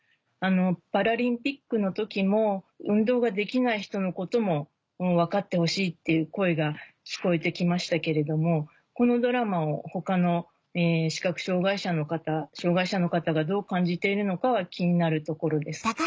パラリンピックの時も運動ができない人のことも分かってほしいっていう声が聞こえて来ましたけれどもこのドラマを他の視覚障がい者の方障がい者の方がどう感じているのかは気になるところです。